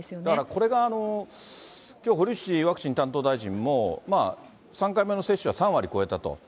だから、これがきょう、堀内ワクチン担当大臣も、３回目の接種は３割超えたと。